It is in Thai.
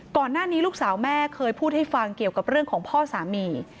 ก่อนหน้านี้ลูกสาวแม่เคยพูดให้ฟังเกี่ยวกับเรื่องของพ่อสามี